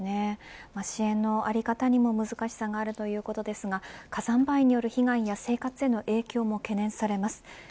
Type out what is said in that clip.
支援の在り方にも難しさがあるということですが火山灰による被害や生活への影響も懸念されます。